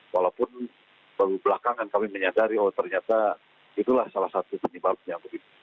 walaupun baru belakangan kami menyadari oh ternyata itulah salah satu penyebabnya begitu